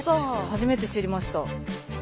初めて知りました。